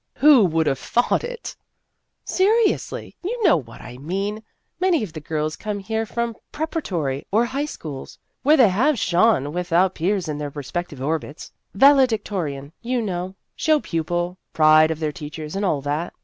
" Who would have thought it !"" Seriously, you know what I mean. Many of the girls come here from pre paratory or high schools, where they have shone without peers in their respective orbits. Valedictorian, you know, show pupil, pride of their teachers, and all that.